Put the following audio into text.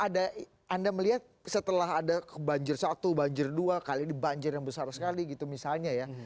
ada anda melihat setelah ada banjir satu banjir dua kali ini banjir yang besar sekali gitu misalnya ya